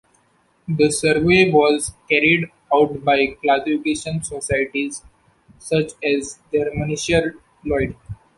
The survey was carried out by classification societies such as Germanischer Lloyd.